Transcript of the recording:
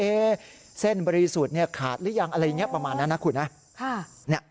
เส้นบริสุทธิ์ขาดหรือยังอะไรอย่างนี้ประมาณนั้นนะคุณนะ